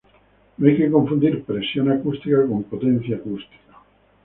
No hay que confundir presión acústica con potencia acústica.